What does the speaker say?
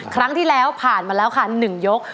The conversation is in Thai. ครั้งที่แล้วผ่านมาแล้วค่ะ๑ยก